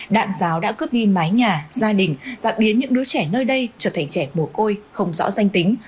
đạn pháo đã cướp đi mái nhà gia đình và biến những đứa trẻ nơi đây trở thành trẻ mồ côi không rõ danh tính